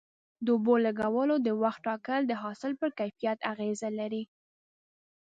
د اوبو لګولو د وخت ټاکل د حاصل پر کیفیت اغیزه لري.